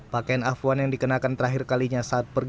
pakaian afwan yang dikenakan terakhir kalinya saat pergi